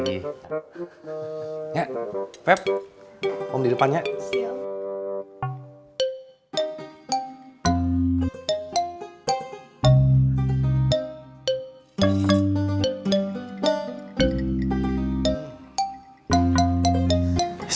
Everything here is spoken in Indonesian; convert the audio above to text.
gimana cakep butuh teman yang restless